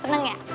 enak banget ya